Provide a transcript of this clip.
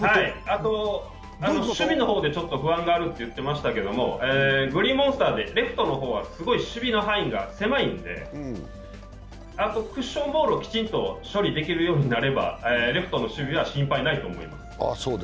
あと守備の方で不安があると言ってましたけどグリーンモンスターでレフトの方は守備の方がすごく狭いんであと、クッションボールをきちんと処理できるようになればレフトの守備は心配ないと思います。